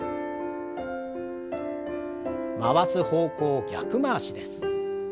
回す方向を逆回しです。